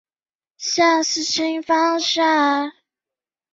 苏阿尼阿。